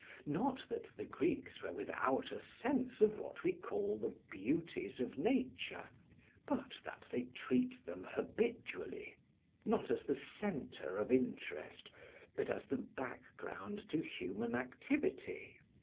Not that the Greeks were without a sense of what we call the beauties of nature, but that they treat them habitually, not as the centre of interest, but as the background to human activity.